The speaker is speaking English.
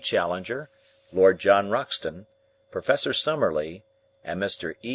Challenger, Lord John Roxton, Prof. Summerlee, and Mr. E.